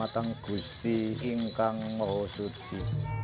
kusipi ingkang mahusudji